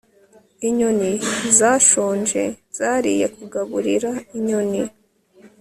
inyoni zashonje zariye kugaburira inyoni